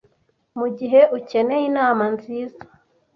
Mugihe ukeneye inama nziza